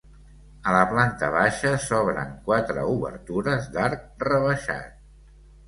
A la planta baixa s'obren quatre obertures d'arc rebaixat.